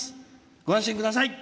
ご安心ください。